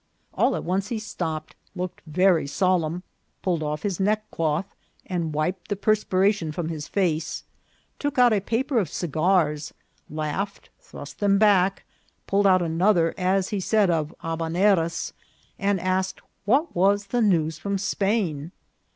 All at once he stopped, looked very solemn, pulled off his neckcloth, and wiped the perspiration from his face, took out a paper of cigars, laughed, thrust them back, pulled out another, as he said, of Habaneras, and asked what was the news from Spain.